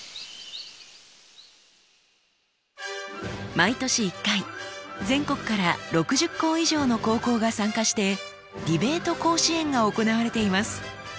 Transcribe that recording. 毎年一回全国から６０校以上の高校が参加してディベート甲子園が行われています。